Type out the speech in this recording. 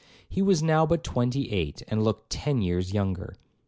He was now but twenty eight, and looked ten years younger.